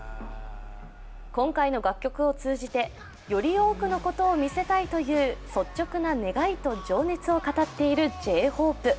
今回の楽曲を通じて、より多くのことを見せたいという率直な願いと情熱を語っているＪ−ＨＯＰＥ。